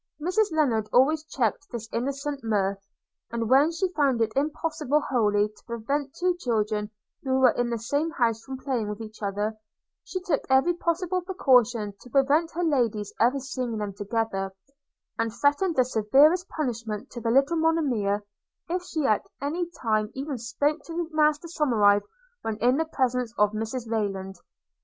Mrs Lennard always checked this innocent mirth; and when she found it impossible wholly to prevent two children who were in the same house from playing with each other, she took every possible precaution to prevent her lady's ever seeing them together; and threatened the severest punishment to the little Monimia, if she at any time even spoke to Master Somerive when in the presence of Mrs Rayland.